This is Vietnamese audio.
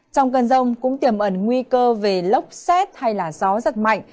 trong cơn rông cũng tiềm ẩn nguy cơ về lốc xét hay gió giật mạnh